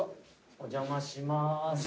お邪魔します。